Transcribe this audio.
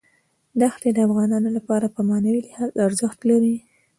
دښتې د افغانانو لپاره په معنوي لحاظ ارزښت لري.